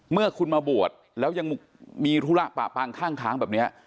เมื่อคุณมาบวชแล้วยังมีธุระปะปางข้างแบบนี้